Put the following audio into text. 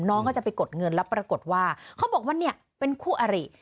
น้องก็จะไปกดเงินแล้วปรากฏว่าเขาบอกว่าเนี่ยเป็นคู่อริ